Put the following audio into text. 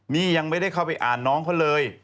นี่ยังไม่ได้เข้าไปอ่านน้องเขาเลย